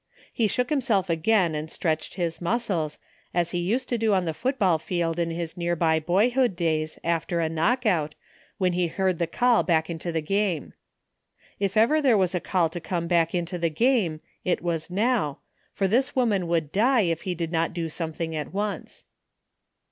He shook him self again and stretched his muscles, as he used to do on the football field in his nearby boyhood days, after a knockout, when he heard the call back into die game. If ever there was a call to come back into the game it was now, for this woman would die if he did not do something at once.